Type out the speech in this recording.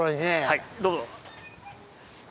はいどうぞ。